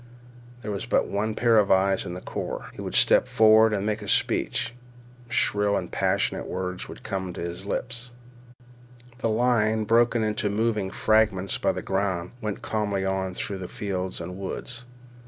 There was but one pair of eyes in the corps. He would step forth and make a speech. Shrill and passionate words came to his lips. The line, broken into moving fragments by the ground, went calmly on through fields and woods.